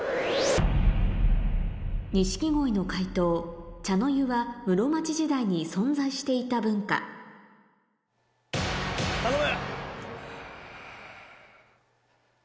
錦鯉の解答茶の湯は室町時代に存在していた文化頼む！